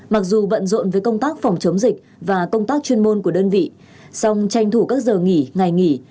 mặc dù bận rộn với công tác phòng chống dịch và công tác chuyên môn của đơn vị song tranh thủ các giờ nghỉ ngày nghỉ